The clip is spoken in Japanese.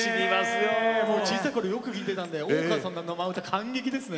小さい頃よく聴いてたんで大川さんの生歌感激ですね。